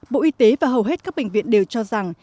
bộ y tế và hầu hết các bệnh viện đều cho rằng